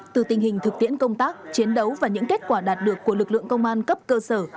từ tình hình thực tiễn công tác chiến đấu và những kết quả đạt được của lực lượng công an cấp cơ sở